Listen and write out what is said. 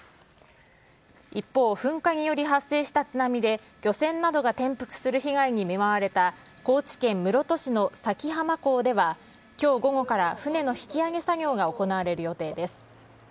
一方、噴火により発生した津波で、漁船などが転覆する被害に見舞われた高知県室戸市の佐喜浜港では、きょう午後から船の引き上げ作業が行われる予定です。